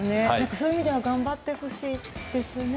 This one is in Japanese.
そういう意味では頑張ってほしいですね。